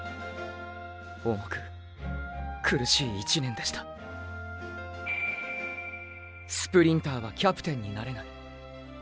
重く苦しい１年でした“スプリンターはキャプテンになれない”